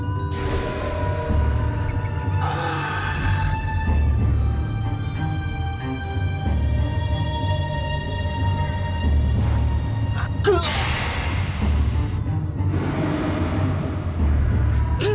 enggak saya yang kekenyangan